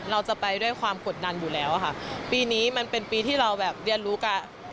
เราจะไปด้วยความกดดันอยู่แล้วค่ะปีนี้มันเป็นปีที่เราแบบเรียนรู้กับ